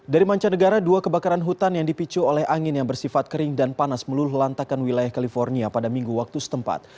dari mancanegara dua kebakaran hutan yang dipicu oleh angin yang bersifat kering dan panas meluluh lantakan wilayah california pada minggu waktu setempat